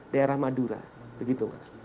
daerah madura begitu mas